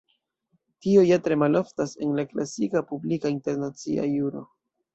Tio ja tre maloftas en la klasika publika internacia juro.